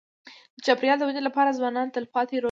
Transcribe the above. د چاپېریال د ودې لپاره ځوانان تلپاتې رول لري.